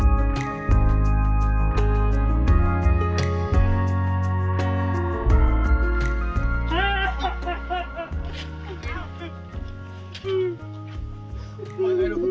วันที่สุดท้ายเกิดขึ้นเกิดขึ้น